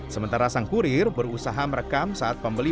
sementara sang kurir berusaha merekam saat pembeli